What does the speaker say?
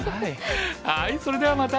それではまた！